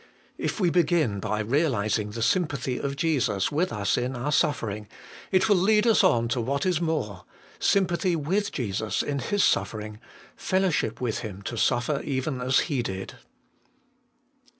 2. If we begin by realizing the sympathy of Jesus with us in our suffer ing, it will lead us on to what is more : sympathy with Jesus in His suffering, fellowship with Him to suffer even as He did.